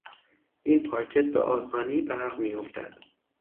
این پارکت به آسانی برق میافتد.